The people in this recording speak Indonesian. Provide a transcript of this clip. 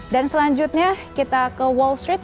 dan selanjutnya kita ke wall street